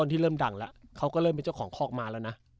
ตอนที่เริ่มดังเค้าก็เป็นเจ้าของฮอกฮอกมา